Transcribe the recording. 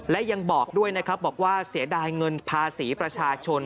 และยังบอกด้วยนะครับบอกว่าเสียดายเงินภาษีประชาชน